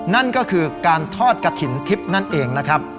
นั่นก็คือการทอดกระถิ่นทิพย์นั่นเองนะครับ